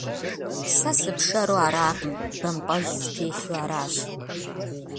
Сэ сыпшэру аракъым, бампӏэл стелъу аращ.